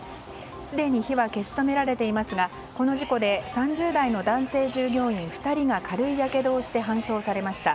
すでに火は消し止められていますがこの事故で３０代の男性従業員２人が軽いやけどをして搬送されました。